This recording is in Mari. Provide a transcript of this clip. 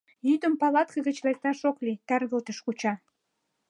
Йӱдым палатка гыч лекташ ок лий, таргылтыш куча...